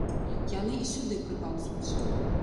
Яны і сюды прыпаўзуць.